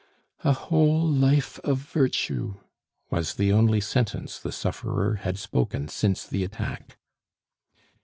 "A whole life of virtue! " was the only sentence the sufferer had spoken since the attack.